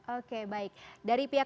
oke baik dari pihak